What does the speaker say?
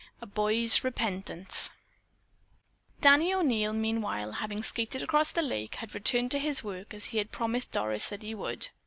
A BOY'S REPENTANCE Danny O'Neil, meanwhile having skated across the lake, had returned to his work as he had promised Doris that he would.